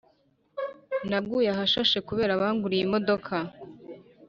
naguye ahashashe kubera banguriye imodoka